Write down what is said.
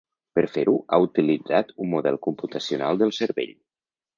Per fer-ho ha utilitzat un model computacional del cervell.